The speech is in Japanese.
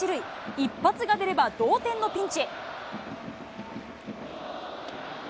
一発が出れば同点のピンチ。